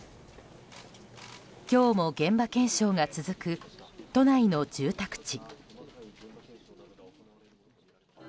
今日も現場検証が続く都内の住宅地。